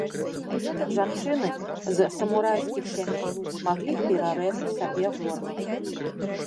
Жанчыны з самурайскіх сямей маглі перарэзаць сабе горла.